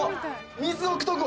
水置くとこ。